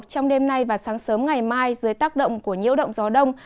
trong đêm nay và sáng sớm ngày mai dưới tác động của nhiễu động gió đông